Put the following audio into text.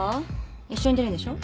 一緒に出るんでしょ？